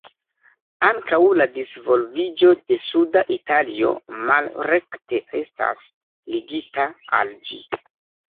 Ankaŭ la disvolviĝo de suda Italio malrekte estas ligita al ĝi.